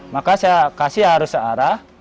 maka saya kasih harus searah